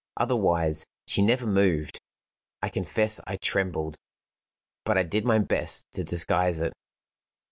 Otherwise, she never moved. I confess I trembled, but I did my best to disguise it.